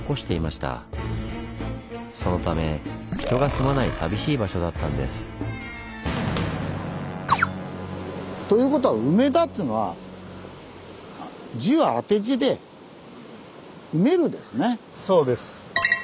そのため人が住まない寂しい場所だったんです。ということはそうです。